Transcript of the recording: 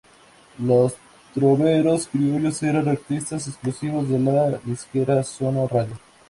Los Troveros Criollos eran artistas exclusivos de la disquera Sono Radio.